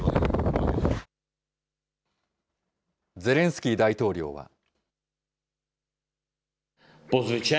ゼレンスキー大統領は。